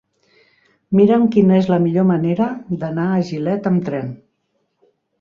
Mira'm quina és la millor manera d'anar a Gilet amb tren.